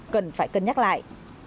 cần phải cân nhắc lại